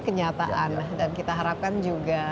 kenyataan dan kita harapkan juga